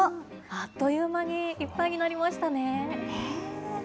あっという間にいっぱいになりましたね。